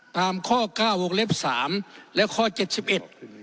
ตามข้อเก้าวงเล็บสามและข้อเจ็ดสิบเอ็ด